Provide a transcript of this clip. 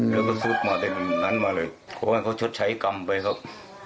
และก็สุดมาคืนนั้นมาเลยเมื่อก่อนเขาชดใช้กรรมไปครับ